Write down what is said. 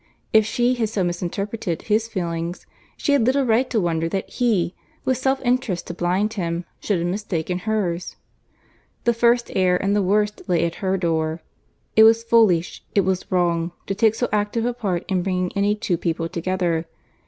If she had so misinterpreted his feelings, she had little right to wonder that he, with self interest to blind him, should have mistaken hers. The first error and the worst lay at her door. It was foolish, it was wrong, to take so active a part in bringing any two people together.